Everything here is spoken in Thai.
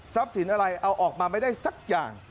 สินอะไรเอาออกมาไม่ได้สักอย่าง